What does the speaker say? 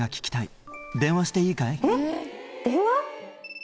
えっ！